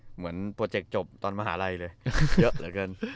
โปรเจกต์จบตอนมหาลัยเลยเยอะเหลือเกิน